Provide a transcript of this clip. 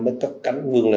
mới cắt cánh vương lên